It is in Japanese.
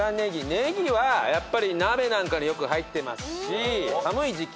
ネギはやっぱり鍋なんかによく入ってますし寒い時季